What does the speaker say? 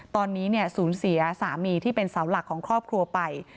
ตอนนี้สูญเสียสามีที่เป็นเสาหลักของครอบครัวไป